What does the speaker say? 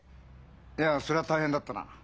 いやそりゃ大変だったな。